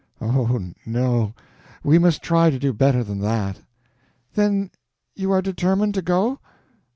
Oh, no, we must try to do better than that." "Then you are determined to go?"